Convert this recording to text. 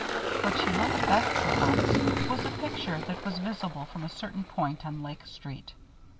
What she liked best, perhaps, was a picture that was visible from a certain point on Lake Street.